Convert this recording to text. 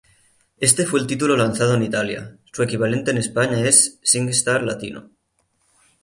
Este fue el título lanzado en Italia; su equivalente en España es SingStar Latino.